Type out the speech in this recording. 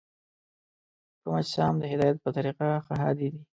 کوم اجسام د هدایت په طریقه ښه هادي دي؟